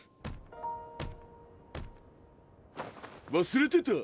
忘れてた。